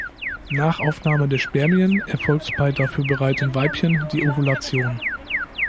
Nach Aufnahme der Spermien erfolgt bei dafür bereiten Weibchen die Ovulation.